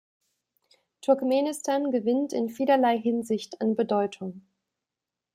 Turkmenistan gewinnt in vielerlei Hinsicht an Bedeutung.